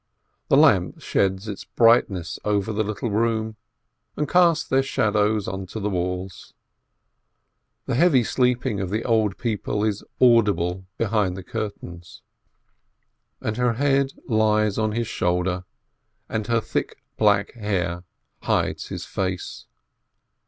The lamp sheds its bright ness over the little room, and casts their shadows onto the walls. The heavy sleeping of the old people is audible behind the curtain. And her head lies on his shoulder, and her thick black hair hides his face.